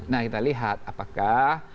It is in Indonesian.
nah kita lihat apakah